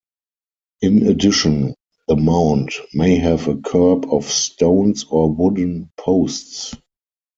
In addition, the mound may have a kerb of stones or wooden posts.